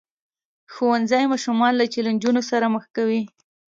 ښوونځی ماشومان له چیلنجونو سره مخ کوي.